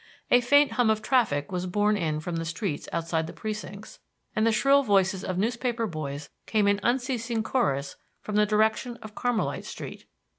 A faint hum of traffic was borne in from the streets outside the precincts, and the shrill voices of newspaper boys came in unceasing chorus from the direction of Carmelite Street.